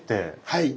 はい。